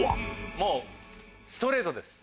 もうストレートです。